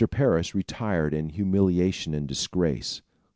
Parris retired in humiliation and disgrace.